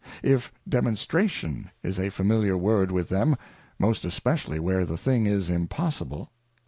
If demonstration is a familiar word with them, most especially where the thing is impossible.